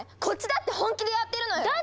こっちだって本気でやってるのよ！